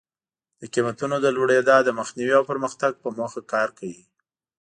د قیمتونو د لوړېدا د مخنیوي او پرمختګ په موخه کار کوي.